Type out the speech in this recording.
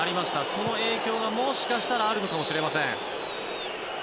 その影響がもしかしたらあるのかもしれません。